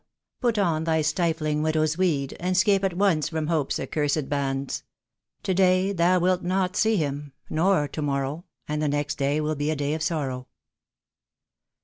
put on thy stifling "widow's weed, And 'scape at once from Hope's accursed bands; To day thou wilt not see him, nor to morrow, And the next day will be a day of sorrow."